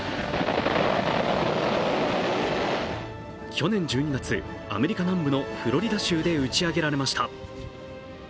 去年１２月、アメリカ南部のフロリダ州で打ち上げられました。